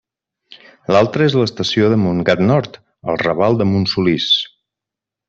L'altra és l'estació de Montgat Nord, al raval de Montsolís.